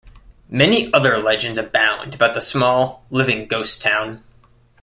Many other legends abound about the small "Living Ghost Town".